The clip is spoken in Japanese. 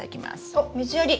おっ水やり！